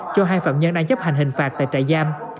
cho hai phạm nhân đang chấp hành hình phạt tại trại giam